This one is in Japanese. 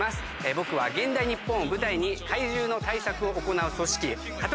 僕は現代日本を舞台に禍威獣の対策を行う組織禍